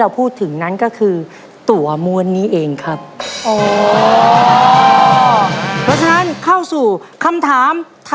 ผมเองแล้วก็พี่ทุกคนในวงก็รู้สึกเป็นเกียรติมากที่เพลงของพวกเราเนี่ยได้ไปสร้างความสุขสร้างรอยยิ้มกำลังใจให้พี่สมศีลนะครับ